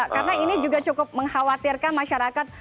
karena ini juga cukup mengkhawatirkan masyarakat